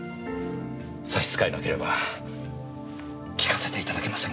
差し支えなければ聞かせていただけませんか？